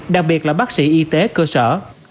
đặc biệt là bác sĩ y tế cơ sở